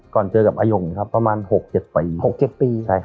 ก่อนเจอกับอายงครับประมาณ๖๗ปี๖๗ปี